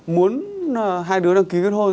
muốn hai đứa đăng ký kết hôn